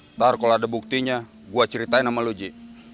ntar kalo ada buktinya gua ceritain sama lo ji